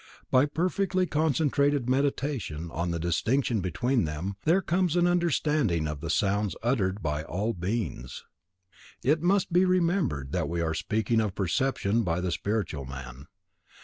By perfectly concentrated Meditation on the distinction between them, there comes an understanding of the sounds uttered by all beings. It must be remembered that we are speaking of perception by the spiritual man.